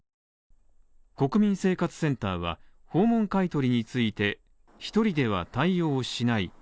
国民生活センターは、訪問買取について、１人では対応しない。